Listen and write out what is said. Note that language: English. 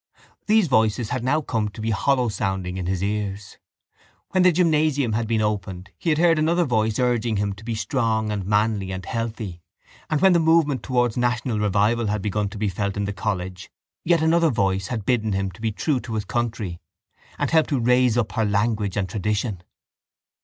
These voices had now come to be hollowsounding in his ears. When the gymnasium had been opened he had heard another voice urging him to be strong and manly and healthy and when the movement towards national revival had begun to be felt in the college yet another voice had bidden him be true to his country and help to raise up her language and tradition.